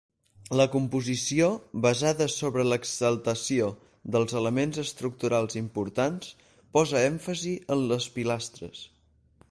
La composició, basada sobre l'exaltació dels elements estructurals importants, posa èmfasi en les pilastres.